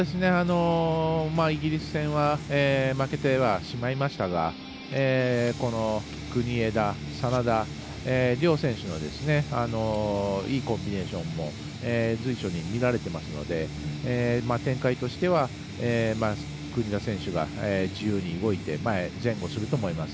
イギリス戦は負けてはしまいましたが国枝、眞田、両選手のいいコンビネーションも随所に見られていますので展開としては国枝選手が自由に動いて前後すると思います。